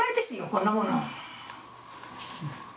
こんなもの